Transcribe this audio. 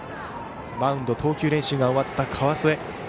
マウンド投球練習が終わった川副。